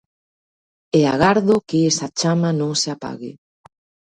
E agardo que esa chama non se apague.